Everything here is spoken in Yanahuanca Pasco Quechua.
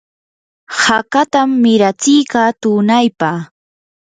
hakatam miratsiyka tunaypa.